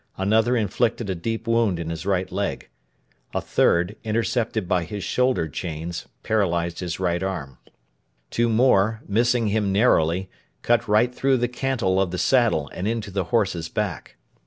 Another inflicted a deep wound in his right leg. A third, intercepted by his shoulder chains, paralysed his right arm. Two more, missing him narrowly, cut right through the cantel of the saddle and into the horse's back.